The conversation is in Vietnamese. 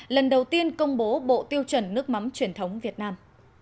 lần đầu tiên công bố bộ tiêu chuẩn nước mắm truyền thống việt nam